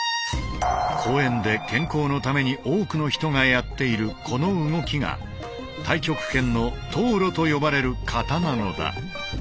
公園で健康のために多くの人がやっているこの動きが太極拳の套路と呼ばれる形なのだ。